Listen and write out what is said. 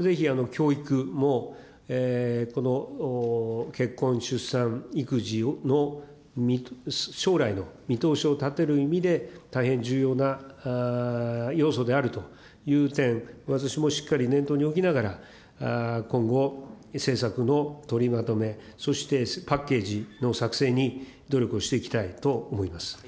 ぜひ教育もこの結婚・出産・育児の、将来の見通しを立てる意味で、大変重要な要素であるという点、私もしっかり念頭に置きながら、今後、政策の取りまとめ、そしてパッケージの作成に努力をしていきたいと思います。